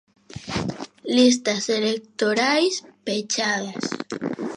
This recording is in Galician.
Listas electorais pechadas.